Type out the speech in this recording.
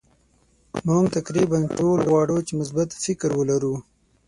مونږ تقریبا ټول غواړو چې مثبت فکر ولرو.